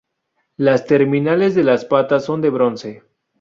Las terminales de las patas son de bronce.